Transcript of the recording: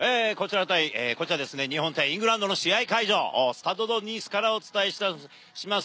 こちら、日本対イングランドの試合会場、スタッド・ド・ニースからお伝えします。